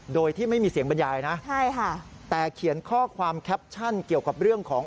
โดยที่ไม่มีเสียงบรรยายนะใช่ค่ะแต่เขียนข้อความแคปชั่นเกี่ยวกับเรื่องของ